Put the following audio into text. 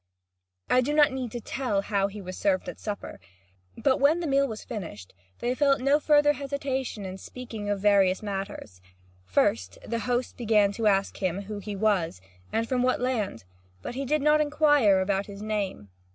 I do not need to tell how well he was served at supper; but when the meal was finished, they felt no further hesitation in speaking of various matters. First, the host began to ask him who he was, and from what land, but he did not inquire about his name.